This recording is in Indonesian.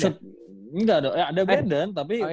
enggak ada brandon tapi